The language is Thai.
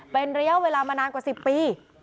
เป็นระยะเวลามานานกว่า๑๐ปี